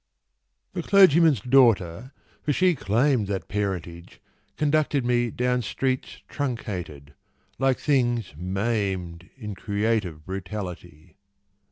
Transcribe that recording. THE clergyman's daughter (for she claimed That parentage) conducted me Down streets truncated, like things maimed In creative brutality.